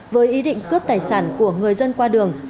với ý định cướp tài sản của người dân qua đường